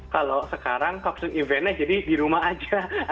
kalau sekarang talkstur eventnya jadi di rumah aja